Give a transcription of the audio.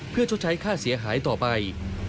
เพื่อชดใช้ค่าเสียหายต่อไป